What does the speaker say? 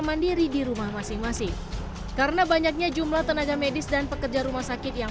mandiri di rumah masing masing karena banyaknya jumlah tenaga medis dan pekerja rumah sakit yang